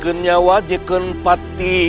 kenyawa diken pati